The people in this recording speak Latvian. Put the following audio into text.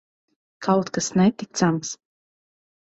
Kaut kas neticams.